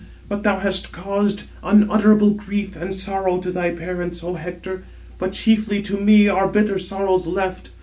But thou hast caused unutterable grief and sorrow to thy parents, O Hector, but chiefly to me are bitter sorrows left.